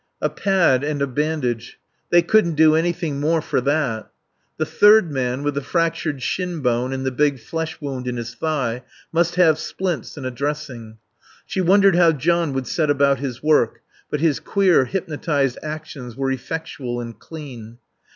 A pad and a bandage. They couldn't do anything more for that ... The third man, with the fractured shin bone and the big flesh wound in his thigh, must have splints and a dressing. She wondered how John would set about his work. But his queer, hypnotised actions were effectual and clean.